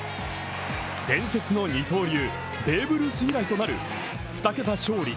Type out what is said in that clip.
伝説の二刀流、ベーブ・ルース以来となる２桁勝利